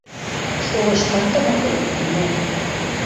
Шолышт кандымыкы, йӱнӓ...